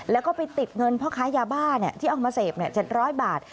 แล้วก็ไปติดเงินพ่อค้ายาบ้าที่เอามาเสพ๗๐๐บาท